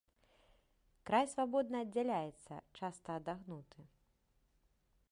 Край свабодна аддзяляецца, часта адагнуты.